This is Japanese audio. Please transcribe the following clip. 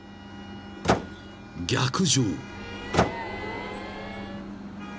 ［逆上］